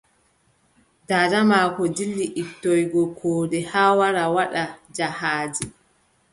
Daada maako dilli ittoygo koode haa wara waɗa jahaaji.